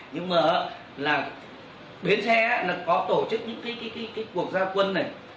nhưng mà là bến xe là có tổ chức những cái cuộc gia quân này